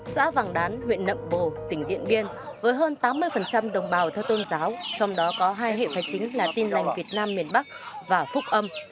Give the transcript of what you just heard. xã vàng đán huyện nậm bồ tỉnh điện biên với hơn tám mươi đồng bào theo tôn giáo trong đó có hai hệ phái chính là tin lành việt nam miền bắc và phúc âm